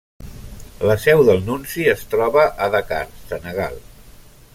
La seu del nunci es troba a Dakar, Senegal.